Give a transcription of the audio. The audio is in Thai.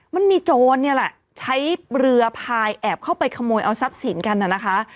มันมีโจรเนี่ยแหละใช้เรือพายแอบเข้าไปขโมยเอาทรัพย์สินกันน่ะนะคะ